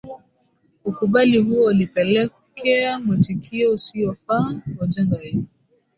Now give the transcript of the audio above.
ukubali huo ulipelekea mwitikio usiyofaa wa janga hili